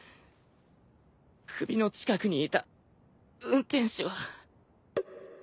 首の近くにいた運転手は。